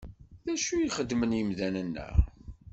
D acu i xeddmen imdanen-a?